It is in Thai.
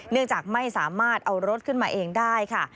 เนื่องจากไม่สามารถเอารถขึ้นมาเองได้ค่ะ